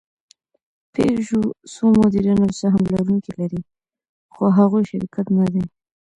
پيژو څو مدیران او سهم لرونکي لري؛ خو هغوی شرکت نهدي.